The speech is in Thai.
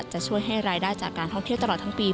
จะช่วยให้รายได้จากการท่องเที่ยวตลอดทั้งปี